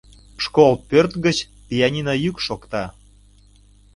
Школ пӧрт гыч пианино йӱк шокта.